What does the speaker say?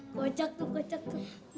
kocak tuh kocak tuh